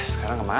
sekarang kemana ya